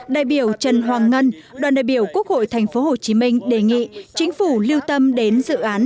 đại biểu trần hoàng ngân đoàn đại biểu quốc hội tp hcm đề nghị chính phủ lưu tâm đến dự án